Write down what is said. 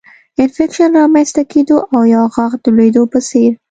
انفکشن رامنځته کېدو او یا غاښ د لوېدو په څېر